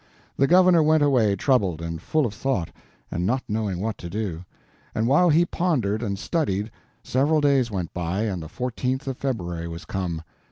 The governor went away troubled and full of thought, and not knowing what to do. And while he pondered and studied, several days went by and the 14th of February was come.